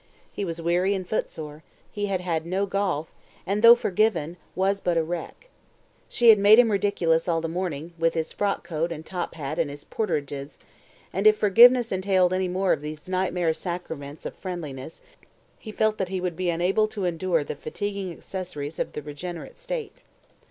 He was weary and footsore; he had had no golf, and, though forgiven, was but a wreck. She had made him ridiculous all the morning with his frock coat and top hat and his porterages, and if forgiveness entailed any more of these nightmare sacraments of friendliness, he felt that he would be unable to endure the fatiguing accessories of the regenerate state.